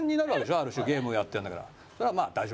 ある種ゲームをやってるんだから。